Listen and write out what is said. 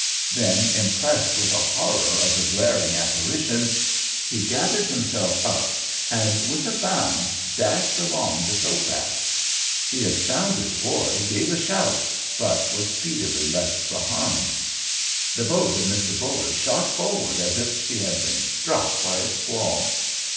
Then, impressed with a horror of the glaring apparition, he gathered himself up, and with a bound dashed along the tow path. The astounded boy gave a shout, but was speedily left behind. The boat of Mr. Buller shot forward as if she had been struck by a squall.